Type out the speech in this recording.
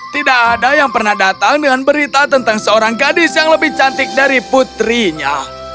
tidak ada yang pernah datang dengan berita tentang seorang gadis yang lebih cantik dari putrinya